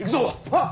はっ！